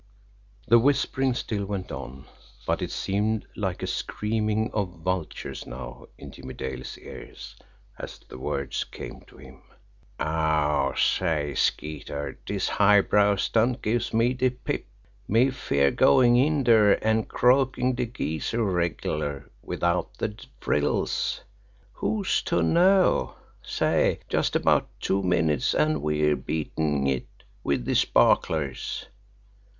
The whispering still went on but it seemed like a screaming of vultures now in Jimmie Dale's ears, as the words came to him. "Aw, say, Skeeter, dis high brow stunt gives me de pip! Me fer goin' in dere an' croakin' de geezer reg'lar, widout de frills. Who's to know? Say, just about two minutes, an' we're beatin' it wid de sparklers."